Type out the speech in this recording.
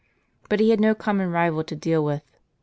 But he had no com mon rival to deal Avith.